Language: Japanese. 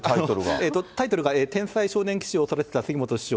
タイトルが、天才少年棋士を育てた杉本師匠！